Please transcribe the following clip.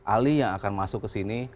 ali yang akan masuk ke sini